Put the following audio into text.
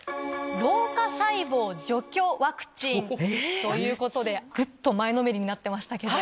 老化細胞除去ワクチン。ということで、ぐっと前のめりになってましたけど。